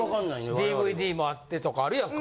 ＤＶＤもあってとかあるやんか。